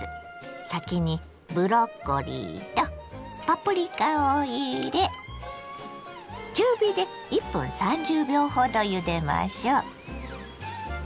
先にブロッコリーとパプリカを入れ中火で１分３０秒ほどゆでましょ。